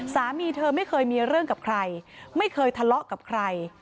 สามีเธอไม่เคยมีเรื่องกับใครไม่เคยทะเลาะกับใคร